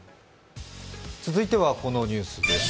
続いてはこのニュースです。